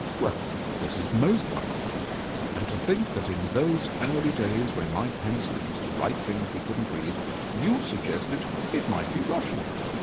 "Well, that is most wonderful. And to think that in those early days, when my pencil used to write things we couldn't read, you suggested it might be Russian